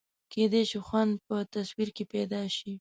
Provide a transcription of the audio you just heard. کېدای شي خوند په تصور کې پیدا شي.